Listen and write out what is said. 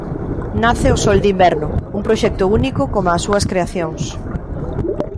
Nace O Sol de Inverno, un proxecto único como as súas creacións.